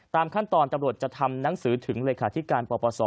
ตามคัตตอนจับรวจจะทำหนังสือถึงเลยค่ะที่การปศ